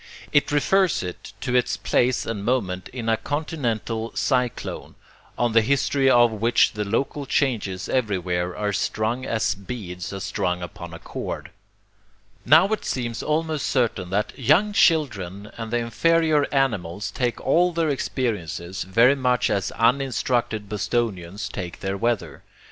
It refers it to its place and moment in a continental cyclone, on the history of which the local changes everywhere are strung as beads are strung upon a cord. Now it seems almost certain that young children and the inferior animals take all their experiences very much as uninstructed Bostonians take their weather.